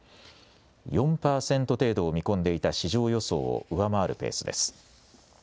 ４％程度を見込んでいた市場予想を上回るペースです。